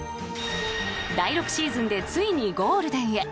第６シーズンでついにゴールデンへ。